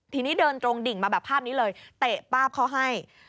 ทีนี้เดินตรงดิ่งมาแบบภาพนี้เลยเตะป้าบเขาให้